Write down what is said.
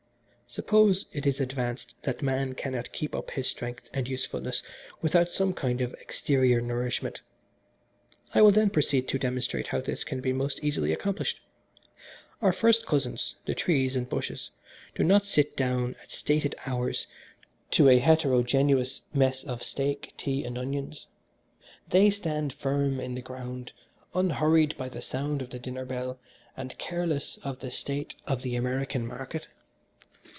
"Suppose it is advanced that man cannot keep up his strength and usefulness without some kind of exterior nourishment I will then proceed to demonstrate how this can be most easily accomplished. Our first cousins, the trees and bushes, do not sit down at stated hours to a heterogeneous mess of steak, tea and onions: they stand firm in the ground unhurried by the sound of the dinner bell and careless of the state of the American market.